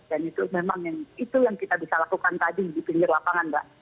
dan itu memang yang itu yang kita bisa lakukan tadi di pinggir lapangan mbak